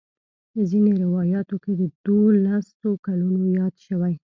ځینې روایاتو کې د دولسو کلونو یاد شوی.